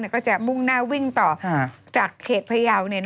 ก็จะมุ่งหน้าวิ่งต่อจากเขตพยาว